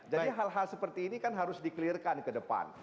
jadi hal hal seperti ini kan harus di clear kan ke depan